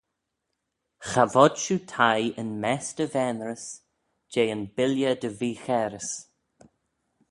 Cha vod shiu teih yn mess dy vaynrys jeh yn billey dy veechairys.